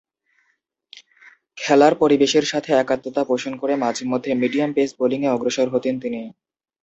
খেলার পরিবেশের সাথে একাত্মতা পোষণ করে মাঝেমধ্যে মিডিয়াম-পেস বোলিংয়ে অগ্রসর হতেন তিনি।